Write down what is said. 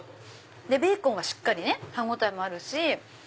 でベーコンはしっかり歯応えもあるし。